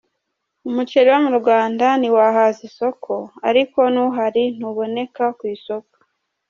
Umuceli wo Rwanda ntiwahaza isoko, ariko nuhari ntuboneka ku isoko .